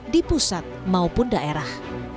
di pusat maupun daerah